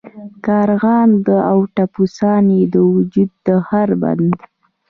کارغان او ټپوسان یې د وجود هر بند.